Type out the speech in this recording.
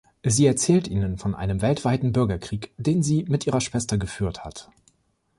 Sie erzählt ihnen von einem weltweiten Bürgerkrieg, den sie mit ihrer Schwester geführt hat.